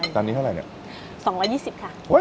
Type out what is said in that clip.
จานนี้เท่าไรเนี่ย